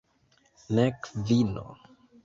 Nek vino.